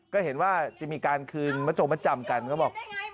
ก็เห็นว่าจะมีการคืนประจงประจำกันก็บอกว่า